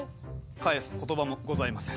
返す言葉もございません。